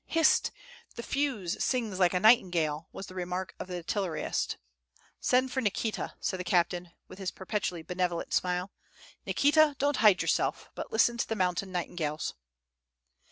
"Hist! the fuse sings like a nightingale," was the remark of the artillerist. "Send for Nikita," said the captain with his perpetually benevolent smile. "Nikita, don't hide yourself, but listen to the mountain nightingales."